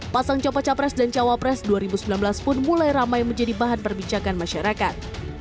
pasang copot cawa pres dua ribu sembilan belas pun mulai ramai menjadi bahan perbincangan masyarakat